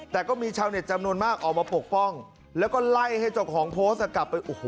แต่ก็มีชาวเน็ตจำนวนมากออกมาปกป้องแล้วก็ไล่ให้เจ้าของโพสต์กลับไปโอ้โห